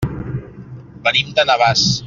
Venim de Navàs.